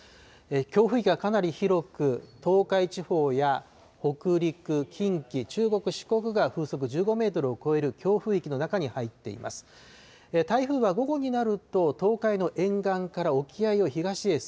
強風域はかなり広く、東海地方や北陸、近畿、中国、四国が風速１５メートルを超える強風域の中に入っています。